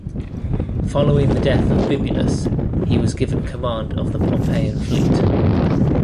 Following the death of Bibulus he was given command of the Pompeian fleet.